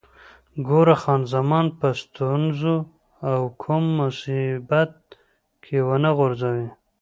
ګوره، خان زمان په ستونزو او کوم مصیبت کې ونه غورځوې.